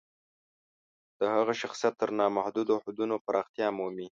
د هغه شخصیت تر نامحدودو حدونو پراختیا مومي.